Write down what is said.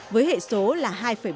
với hệ số là hai bốn mươi sáu